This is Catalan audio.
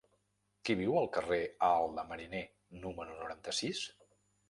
Qui viu al carrer Alt de Mariner número noranta-sis?